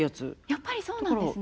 やっぱりそうなんですね。